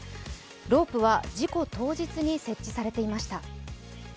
ロープは事故当日に設置されていました。